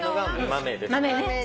豆です。